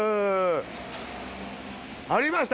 ありました